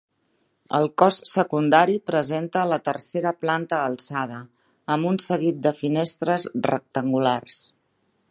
El cos secundari presenta la tercera planta alçada, amb un seguit de finestres rectangulars.